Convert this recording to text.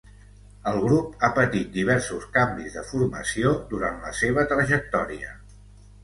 El grup ha patit diversos canvis de formació durant la seva trajectòria.